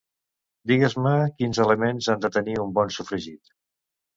Digues-me quins elements ha de tenir un bon sofregit.